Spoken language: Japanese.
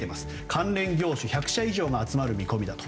関連業種１００社以上が集まる見込みだと。